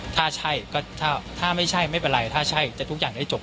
ถ้าใช่ก็ถ้าไม่ใช่ไม่เป็นไรถ้าใช่จะทุกอย่างได้จบ